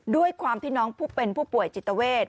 ด้วยความที่น้องผู้เป็นผู้ป่วยจิตเวท